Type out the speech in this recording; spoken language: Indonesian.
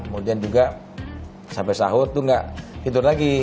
kemudian juga sampai sahur itu nggak tidur lagi